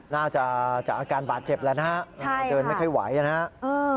น่าจะจากอาการบาดเจ็บแล้วนะฮะเดินไม่ค่อยไหวนะครับ